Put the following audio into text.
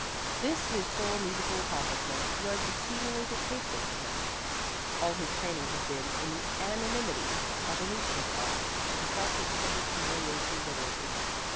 This, his sole musical accomplishment, was exceedingly distasteful to him: all his training had been in the anonymity of a newspaper office, and he felt his public humiliation bitterly.